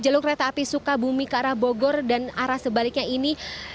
jalur kereta api sukabumi ke arah bogor dan arah sebaliknya ini